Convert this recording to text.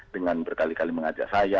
dengan berkali kali mengajak saya